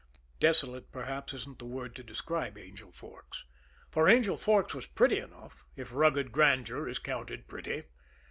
Desolate, perhaps, isn't the word to describe Angel Forks for Angel Forks was pretty enough, if rugged grandeur is counted pretty.